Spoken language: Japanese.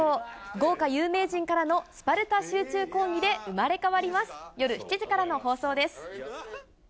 豪華有名人からのスパルタ集中講義で生まれ変わります。